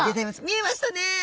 見えましたね！